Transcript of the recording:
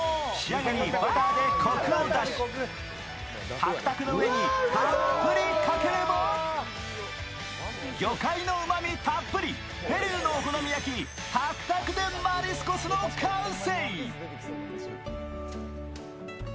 タクタクの上にたっぷりかければ魚介のうまみたっぷり、ペルーのお好み焼きタクタク・デ・マリスコスの完成。